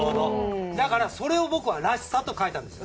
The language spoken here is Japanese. だから、それを僕は「らしさ」と書いたんです。